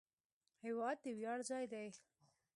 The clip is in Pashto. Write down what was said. هېواد د ویاړ ځای دی.